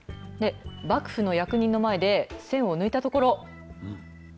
幕府の役人の前で栓を抜いたところ。